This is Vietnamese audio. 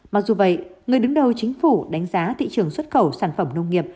mặc dù vậy người đứng đầu chính phủ đánh giá thị trường xuất khẩu sản phẩm nông nghiệp